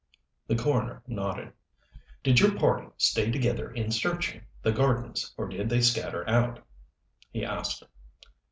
The coroner nodded. "Did your party stay together in searching the gardens, or did they scatter out?" he asked.